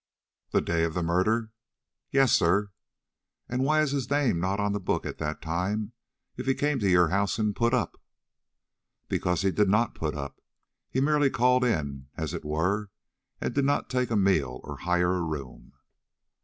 "The day of the murder?" "Yes, sir." "And why is his name not on the book at that time if he came to your house and put up?" "Because he did not put up; he merely called in, as it were, and did not take a meal or hire a room."